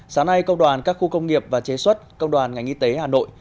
sáng nay công đoàn các khu công nghiệp và chế xuất công đoàn ngành y tế hà nội